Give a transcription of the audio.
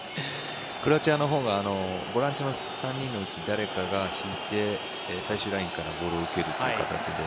クロアチアのほうがボランチの３人のうち誰かが引いて、最終ラインからボールを受けるという形で。